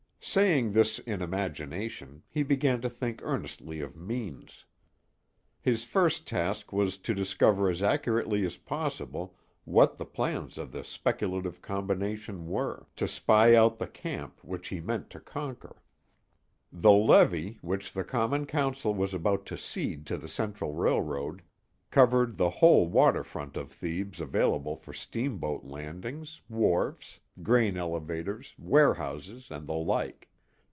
Saying this in imagination, he began to think earnestly of means. His first task was to discover as accurately as possible what the plans of the speculative combination were, to spy out the camp which he meant to conquer. The levee, which the Common Council was about to cede to the Central Railroad, covered the whole water front of Thebes available for steamboat landings, wharfs, grain elevators, warehouses, and the like.